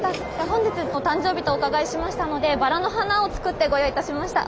本日お誕生日とお伺いしましたのでバラの花を作ってご用意いたしました。